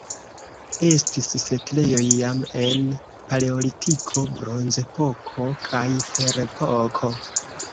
Estis setlejoj jam en Paleolitiko, Bronzepoko kaj Ferepoko.